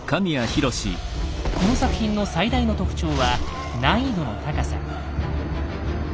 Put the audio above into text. この作品の最大の特徴は難易度の高さ。